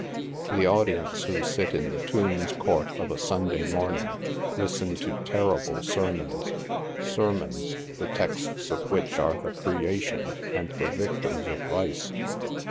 The audience who sit in the Tombs court of a Sunday morning, listen to terrible sermons — sermons, the texts of which are the creation and the victims of vice.